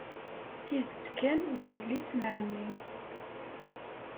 Tidet kan, d yelli-s n ɛemmi.